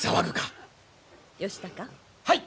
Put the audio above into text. はい。